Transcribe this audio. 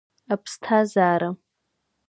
Аԥсҭазаара!